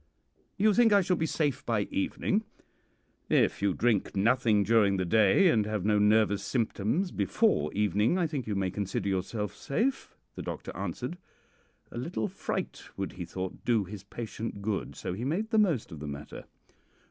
"'You think I shall be safe by evening?' "'If you drink nothing during the day, and have no nervous symptoms before evening, I think you may consider yourself safe," the doctor answered. A little fright would, he thought, do his patient good, so he made the most of the matter.